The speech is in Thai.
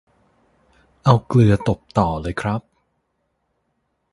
เอาเกลือตบต่อเลยครับ